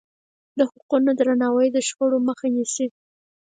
د حقونو درناوی د شخړو مخه نیسي.